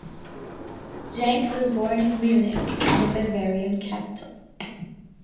Jank was born in Munich, the Bavarian capital.